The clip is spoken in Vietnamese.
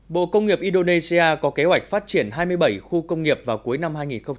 bộ công nghiệp indonesia có kế hoạch phát triển hai mươi bảy khu công nghiệp vào cuối năm hai nghìn hai mươi